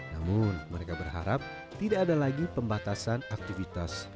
namun mereka berharap tidak ada lagi pembatasan aktivitas